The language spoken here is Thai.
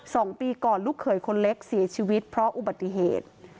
สองปีก่อนลูกเขยคนเล็กเสียชีวิตเพราะอุบัติเหตุ